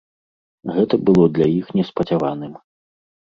Гэта было для іх неспадзяваным.